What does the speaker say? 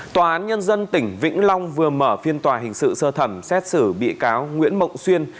tòa án nhân dân tỉnh vĩnh long vừa mở phiên tòa hình sự sơ thẩm xét xử bị cáo nguyễn mộng xuyên